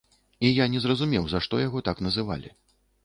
І я не разумеў, за што яго так называлі.